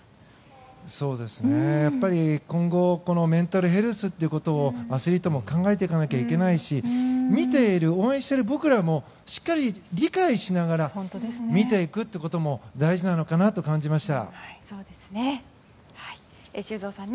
やっぱり今後メンタルヘルスということをアスリートも考えていかないといけないし見ている、応援している僕らもしっかり理解しながら見ていくということも大事なのかなと感じました。